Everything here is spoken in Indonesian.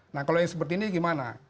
nah kalau yang seperti ini gimana